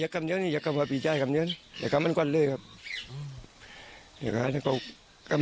กำไรหลังที่เขาเร่งกวนจริงมัน